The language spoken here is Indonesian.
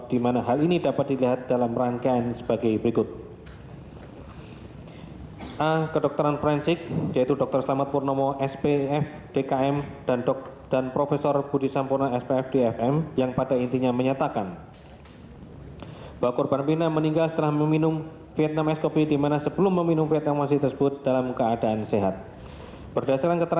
di mana hal ini dapat dilihat dalam rangkaian sebagai berikut